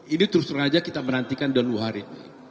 ini terus terusan saja kita menantikan dalam dua hari ini